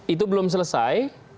itu belum selesai